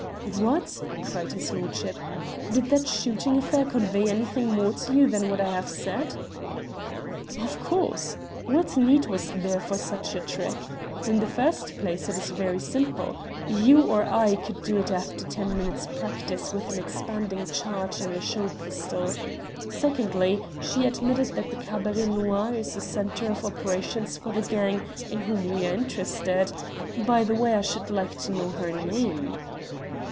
"What?" cried his lordship. "Did that shooting affair convey anything more to you than what I have said?" "Of course. What need was there for such a trick? In the first place it is very simple. You or I could do it after ten minutes' practice with an expanding charge and a show pistol. Secondly, she admitted that the Cabaret Noir is a centre of operations for the gang in whom we are interested. By the way, I should like to know her name."